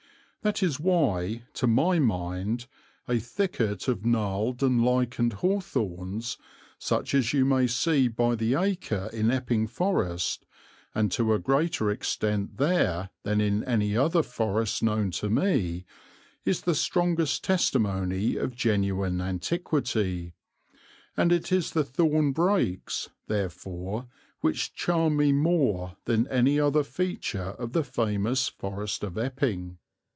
That is why, to my mind, a thicket of gnarled and lichened hawthorns, such as you may see by the acre in Epping Forest, and to a greater extent there than in any other forest known to me, is the strongest testimony of genuine antiquity; and it is the thorn brakes, therefore, which charm me more than any other feature of the famous Forest of Epping.